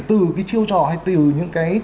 từ cái chiêu trò hay từ những cái